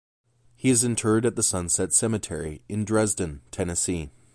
He is interred at the Sunset Cemetery in Dresden, Tennessee.